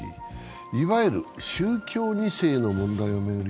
いわゆる宗教２世の問題を巡り